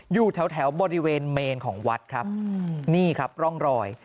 อยู่แถวบริเวณเมนของวัดครับนี่ครับร่องรอย